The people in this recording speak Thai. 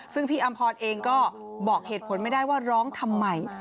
ซึ่งพี่อำพรเองก็บอกเหตุผลไม่ได้ว่าร้องทำไม